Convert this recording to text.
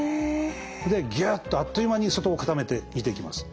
ギュッとあっという間に外を固めて煮ていきます。